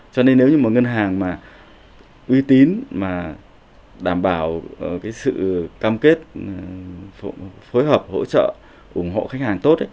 cho nên nếu như một ngân hàng mà uy tín mà đảm bảo cái sự cam kết phối hợp hỗ trợ ủng hộ khách hàng tốt ấy